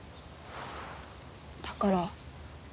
だから。